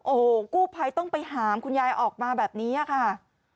โอ้โหกู้ภัยต้องไปหามคุณยายออกมาแบบนี้ค่ะ